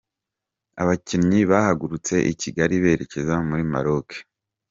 Abakinnyi bahagurutse i Kigali berekeza muri Maroc.